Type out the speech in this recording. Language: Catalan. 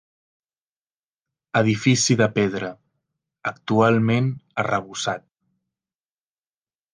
Edifici de pedra, actualment arrebossat.